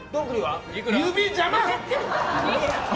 指邪魔！